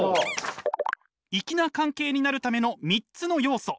いきな関係になるための３つの要素。